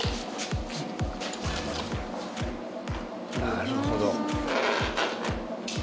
なるほど。